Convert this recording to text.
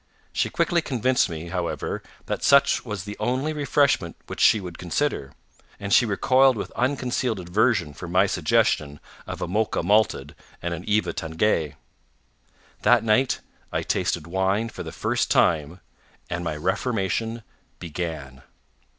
She quickly convinced me, however, that such was the only refreshment which she would consider, and she recoiled with unconcealed aversion from my suggestion of a Mocha Malted and an Eva Tanguay. That night I tasted wine for the first time, and my reformation began.